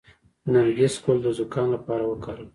د نرګس ګل د زکام لپاره وکاروئ